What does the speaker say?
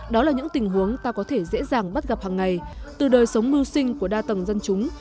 đó là những tình huống ta có thể dễ dàng bắt gặp hàng ngày từ đời sống mưu sinh của đa tầng dân chúng